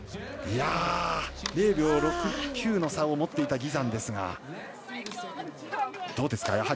０秒６９の差を持っていたギザンですが、どうですか。